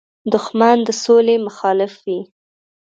دښمن د سولې مخالف وي